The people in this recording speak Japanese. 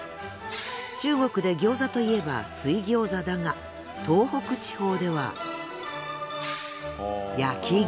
中国で餃子といえば水餃子だが東北地方では。